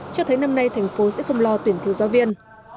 cho thấy năm nay thành phố sẽ không lo tuyển thiếu giáo viên